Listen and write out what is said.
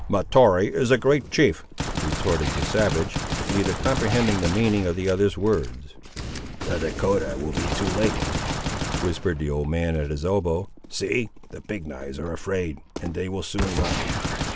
"Mahtoree is a great chief!" retorted the savage; neither comprehending the meaning of the other's words. "The Dahcotah will be too late," whispered the old man at his elbow; "see; the Big knives are afraid, and they will soon run."